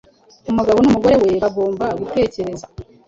Umugabo n’umugore we bagomba gutekereza